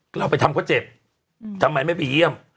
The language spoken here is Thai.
ก็เอาไปทำเขาเจ็บทำไมไม่ไปเยี่ยม